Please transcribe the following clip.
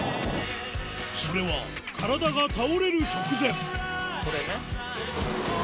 それは体が倒れる直前これね。